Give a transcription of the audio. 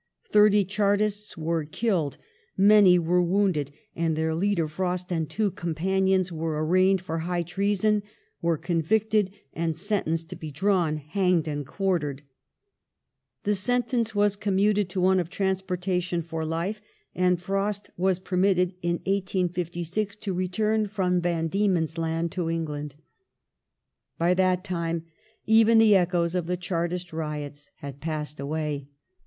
Thirty Chartists were killed, many were wounded ; and their leader. Frost, and two companions were anaigned for high treason, were convicted, and sentenced to be drawn, hanged, and quartered. The sentence was commuted to one of transportation for life, and Frost was permitted in 1856 to 138 THE FIRST YEARS OF THE NEW REIGN [1^37 The Jamaica Bill The Bed chamber question return from Van Diemen's Land to England. By that time even the echoes of the Chartist riots had passed away.